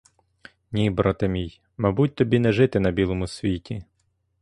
Ні, брате мій, мабуть тобі не жити на білому світі!